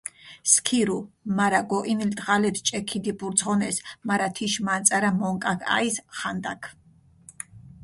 სქირუ, მარა გოჸინილ დღალეფს ჭე ქიდიბურძღონეს, მარა თიშ მანწარა მონკაქ აჸის ხანდაქ.